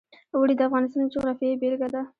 اوړي د افغانستان د جغرافیې بېلګه ده.